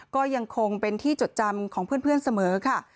ก็ยังคงเป็นที่จดจำของเพื่อนเสมอค่ะ